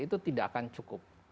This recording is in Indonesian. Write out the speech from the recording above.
itu tidak akan cukup